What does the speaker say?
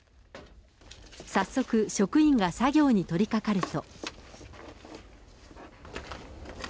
早速、職員が作業に取りかかると。